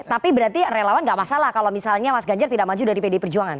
tapi berarti relawan gak masalah kalau misalnya mas ganjar tidak maju dari pdi perjuangan